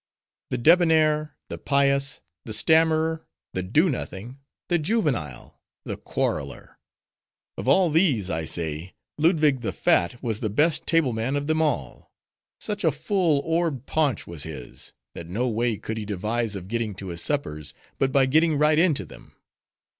"The Debonnaire, the Pious, the Stammerer, the Do Nothing, the Juvenile, the Quarreler:—of all these, I say, Ludwig the Fat was the best table man of them all. Such a full orbed paunch was his, that no way could he devise of getting to his suppers, but by getting right into them.